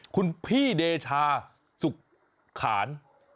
คุณพี่เดชาสุขขาน